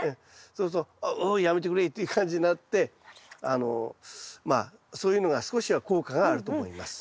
そうすると「ううっやめてくれ」っていう感じになってあのまあそういうのが少しは効果があると思います。